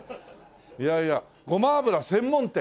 いやいやゴマ油専門店？